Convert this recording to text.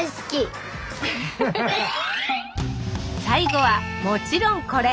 最後はもちろんこれ。